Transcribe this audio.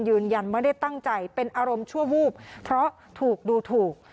ยืนยันไม่ได้ตั้งใจเป็นอารมณ์ชั่ววูบเพราะถูกดูถูก